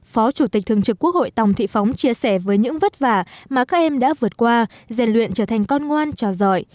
phó chủ tịch thường trực quốc hội tòng thị phóng chia sẻ với những vất vả mà các em đã vượt qua rèn luyện trở thành con ngoan trò giỏi